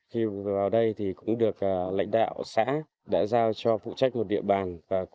khi vào đây thì cũng được lãnh đạo xã đã giao cho phụ trách một địa bàn